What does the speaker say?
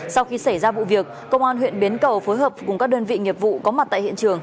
sau khi xảy ra vụ việc công an huyện bến cầu phối hợp cùng các đơn vị nghiệp vụ có mặt tại hiện trường